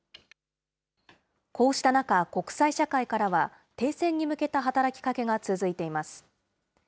こうした中、国際社会からは停戦に向けた働きかけが続いています。